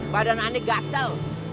badan ana gatel